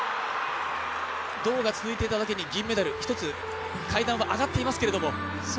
銅が続いていただけに銀メダル、一つ階段は上がっていますけれども。